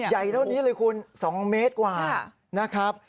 ใหญ่เท่านี้เลยคุณ๒เมตรกว่านะครับ